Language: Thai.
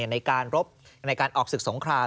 ในการรบในการออกศึกสงคราม